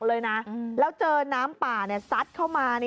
เลยนะแล้วเจอน้ำป่าซัดเข้ามา